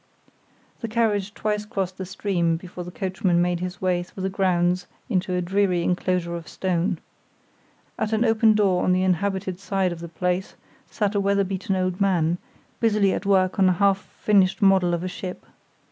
The carriage twice crossed the stream before the coachman made his way through the grounds into a dreary inclosure of stone. At an open door on the inhabited side of the place sat a weather beaten old man, busily at work on a half finished model of a ship.